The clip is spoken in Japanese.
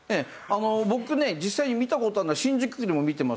僕ね実際に見た事あるのは新宿区でも見てますし。